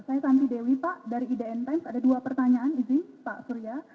saya santi dewi pak dari idn times ada dua pertanyaan izin pak surya